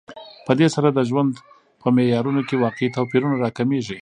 په دې سره د ژوند په معیارونو کې واقعي توپیرونه راکمېږي